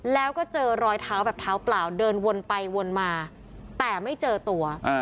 แล้วก็เจอรอยเท้าแบบเท้าเปล่าเดินวนไปวนมาแต่ไม่เจอตัว